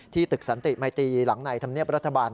ตึกสันติมัยตีหลังในธรรมเนียบรัฐบาล